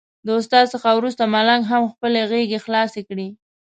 د استاد څخه وروسته ملنګ هم خپلې غېږې خلاصې کړې.